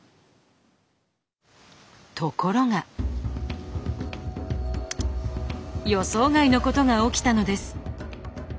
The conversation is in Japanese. ところが予想外のことが起きたのです。